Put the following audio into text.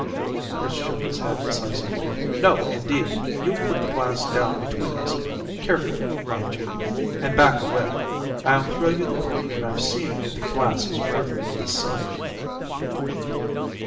Chris shook his head decisively. "No indeed! You put the glass down between us carefully, mind you and back away. I'll throw you the coin when I've seen if the glass is worth the silver!"